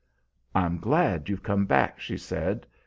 "I'm glad you've come back," she said.